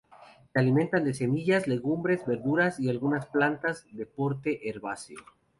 Se alimenta de semillas, legumbres, verduras y algunas plantas de porte herbáceo.